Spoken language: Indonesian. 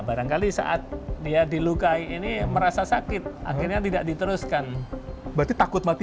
barangkali saat dia dilukai itu tidak semua orang bisa mencoba bunuh diri